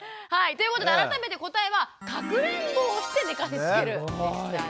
ということで改めて答えはかくれんぼをして寝かしつけるでしたね。